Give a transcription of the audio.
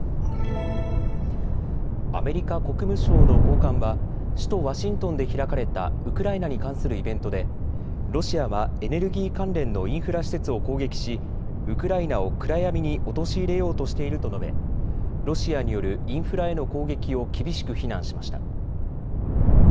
アメリカ国務省の高官は首都ワシントンで開かれたウクライナに関するイベントでロシアはエネルギー関連のインフラ施設を攻撃しウクライナを暗闇に陥れようとしていると述べ、ロシアによるインフラへの攻撃を厳しく非難しました。